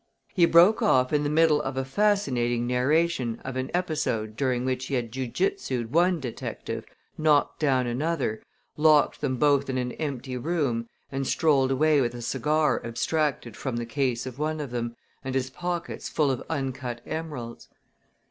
He broke off in the middle of a fascinating narration of an episode during which he had ju jutsued one detective, knocked another down, locked them both in an empty room, and strolled away with a cigar abstracted from the case of one of them and his pockets full of uncut emeralds.